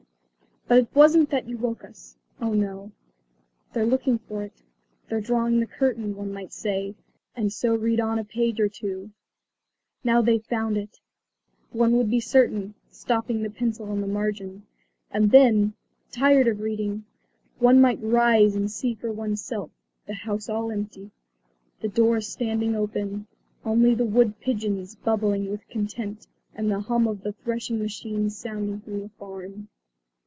But it wasn't that you woke us. Oh, no. "They're looking for it; they're drawing the curtain," one might say, and so read on a page or two. "Now they've found it," one would be certain, stopping the pencil on the margin. And then, tired of reading, one might rise and see for oneself, the house all empty, the doors standing open, only the wood pigeons bubbling with content and the hum of the threshing machine sounding from the farm.